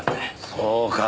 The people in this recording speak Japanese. そうか。